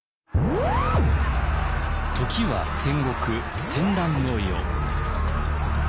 時は戦国戦乱の世。